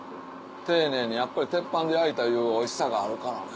丁寧にやっぱり鉄板で焼いたいうおいしさがあるからね。